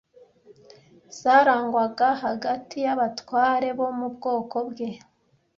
zarangwaga hagati y’abatware bo mu bwoko bwe